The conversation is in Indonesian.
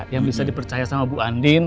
yang bisa dipercaya sama mbak andien